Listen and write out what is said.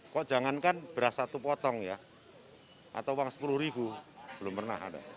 kok jangankan beras satu potong ya atau uang sepuluh ribu belum pernah ada